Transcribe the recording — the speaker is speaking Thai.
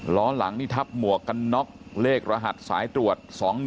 ล้อหลังนี่ทับหมวกกันน็อกเลขรหัสสายตรวจ๒๑